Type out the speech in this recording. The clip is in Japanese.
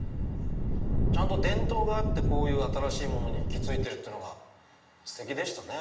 ちゃんと伝統があって新しいものに行き着いてるのがステキでしたね。